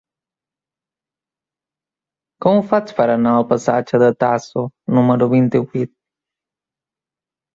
Com ho faig per anar al passatge de Tasso número vint-i-vuit?